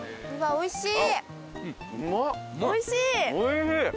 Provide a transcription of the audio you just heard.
おいしい！